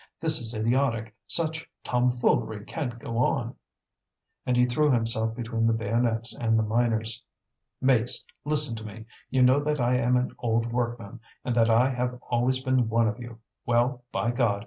this is idiotic! such tomfoolery can't go on!" And he threw himself between the bayonets and the miners. "Mates, listen to me. You know that I am an old workman, and that I have always been one of you. Well, by God!